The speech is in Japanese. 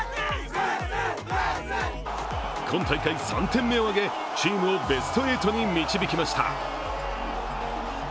今大会３点目を挙げチームをベスト８に導きました。